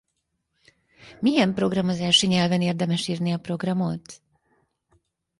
Milyen programozási nyelven érdemes írni a programot?